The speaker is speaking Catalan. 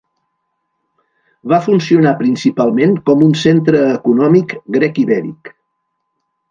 Va funcionar principalment com un centre econòmic grec-ibèric.